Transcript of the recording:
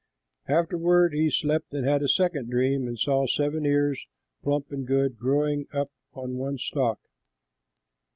Afterward he slept and had a second dream and saw seven ears, plump and good, growing up on one stalk.